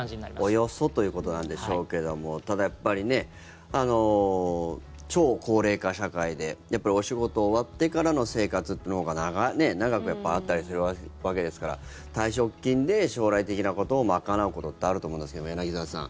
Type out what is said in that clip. およそということなんでしょうけどもただやっぱり、超高齢化社会でお仕事終わってからの生活というのが長くあったりするわけですから退職金で将来的なことを賄うことってあると思うんですけど、柳澤さん。